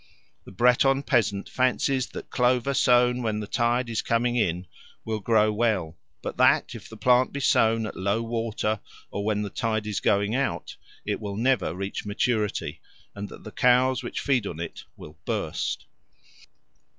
The Breton peasant fancies that clover sown when the tide is coming in will grow well, but that if the plant be sown at low water or when the tide is going out, it will never reach maturity, and that the cows which feed on it will burst.